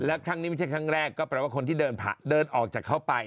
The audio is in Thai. แล้วครั้งนี้ไม่ใช่ครั้งแรกก็แปลว่าคนที่เดินออกจากเข้าไป